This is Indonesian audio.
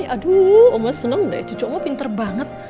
aduh oma senang ndzycuk oma pinter banget